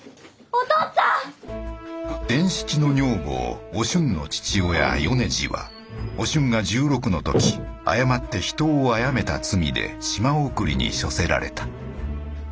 お俊の父親米次はお俊が１６の時誤って人を殺めた罪で島送りに処せられた。